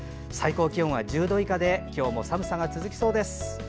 最高気温は１０度以下で今日も寒さが続きそうです。